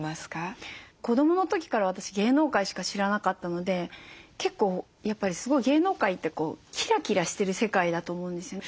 子どもの時から私芸能界しか知らなかったので結構やっぱりすごい芸能界ってキラキラしてる世界だと思うんですよね。